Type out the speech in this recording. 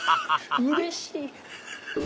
うれしい！